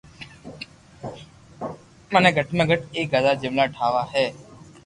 مني گھٽ ۾ گھت ايڪ ھزار جملا ٺاوا ھي